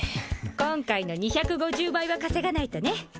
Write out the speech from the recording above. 今回の２５０倍は稼がないとね